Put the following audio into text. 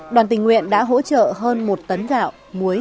đoàn tình nguyện đã hỗ trợ hơn một tấn gạo muối